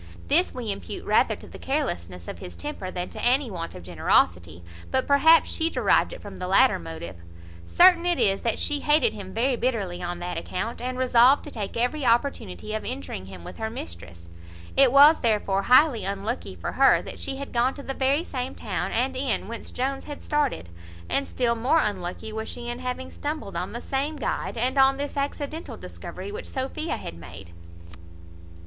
This we impute rather to the carelessness of his temper than to any want of generosity; but perhaps she derived it from the latter motive. Certain it is that she hated him very bitterly on that account, and resolved to take every opportunity of injuring him with her mistress. It was therefore highly unlucky for her, that she had gone to the very same town and inn whence Jones had started, and still more unlucky was she in having stumbled on the same guide, and on this accidental discovery which Sophia had made.